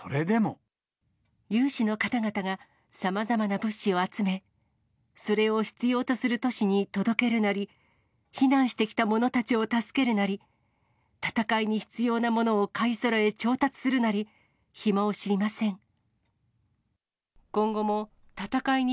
有志の方々が、さまざまな物資を集め、それを必要とする都市に届けるなり、避難してきた者たちを助けるなり、戦いに必要なものを買いそろえ調達するなり、暇を知りません。